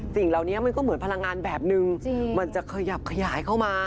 สิ่งเหล่านี้มันก็เหมือนพลังงานแบบนึงมันจะขยับขยายเข้ามา